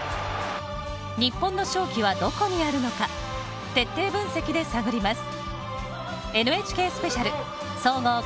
日本の勝機はどこにあるのか徹底分析で探ります。